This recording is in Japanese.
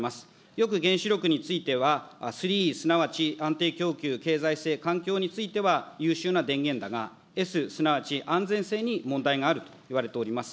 よく原子力については、３Ｅすなわち安定供給、経済性、環境については優秀な電源だが、Ｓ、すなわち安全性に問題があるといわれております。